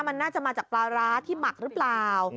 มันน่าจะมาจากปลาร้าที่หมักหรือเปล่า